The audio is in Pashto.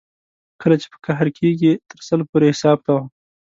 کله چې په قهر کېږې تر سل پورې حساب کوه.